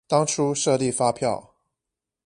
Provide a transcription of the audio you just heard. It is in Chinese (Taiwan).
當初設立發票